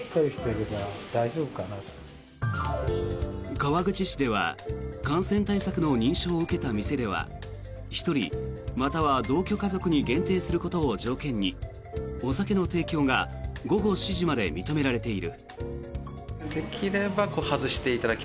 川口市では感染対策の認証を受けた店では１人または同居家族に限定することを条件にお酒の提供が午後７時まで認められている。